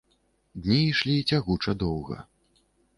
Дні ішлі цягуча доўга.